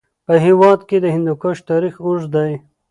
په هېواد کې د هندوکش تاریخ اوږد دی.